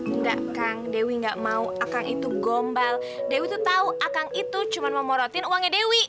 enggak kang dewi enggak mau akan itu gombal dewi tahu akan itu cuman memorotin uangnya dewi